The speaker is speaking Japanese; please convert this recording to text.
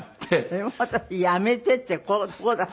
それもまたやめてってこうだ。